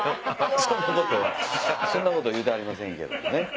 そんなこと言うてはりませんけど。